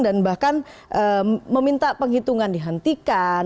dan bahkan meminta penghitungan dihentikan